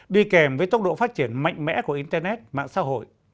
đi kèm với tốc độ phát triển mạnh mẽ của internet mạng xã hội